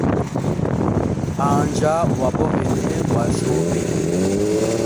Anjya, wa bomene bwa shobe.